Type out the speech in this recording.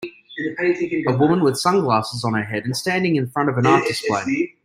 A woman with sunglasses on her head and standing in front of an art display.